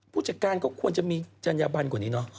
ผู้จัดการจะมีจันยาบันวิทยาบันกว่านี้เนาะ